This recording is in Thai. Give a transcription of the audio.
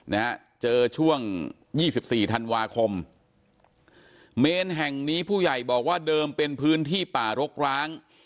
นะฮะเจอช่วงยี่สิบสี่ธันวาคมเมนแห่งนี้ผู้ใหญ่บอกว่าเดิมเป็นพื้นที่ป่ารกร้าง